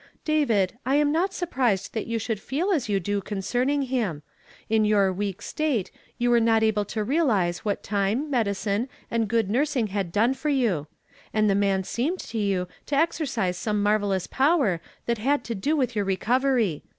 "David, I am not surprised that you should feel as you do concerning him. In your weak state, you were not able to realize what time, medicine, and good nursing had done for you ; and the man seemed to you to exercise some marvel lous power that had to do with your recovery.